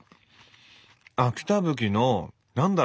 秋田ぶきの何だろう